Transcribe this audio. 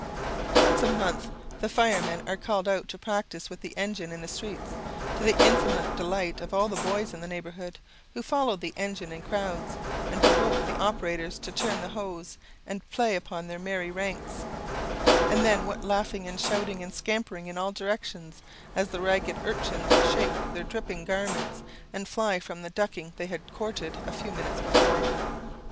Once a month the firemen are called out to practise with the engine in the streets, to the infinite delight of all the boys in the neighbourhood, who follow the engine in crowds, and provoke the operators to turn the hose and play upon their merry ranks: and then what laughing and shouting and scampering in all directions, as the ragged urchins shake their dripping garments, and fly from the ducking they had courted a few minutes before!